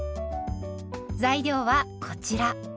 材料はこちら。